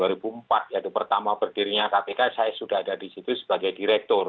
yaitu pertama berdirinya kpk saya sudah ada di situ sebagai direktur